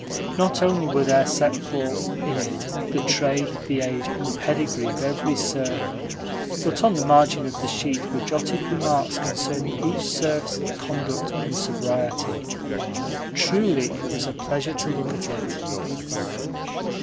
Not only were there set forth in it the trade, the age, and the pedigree of every serf, but on the margin of the sheet were jotted remarks concerning each serf's conduct and sobriety. Truly it was a pleasure to look at it.